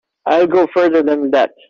I'll go further than that.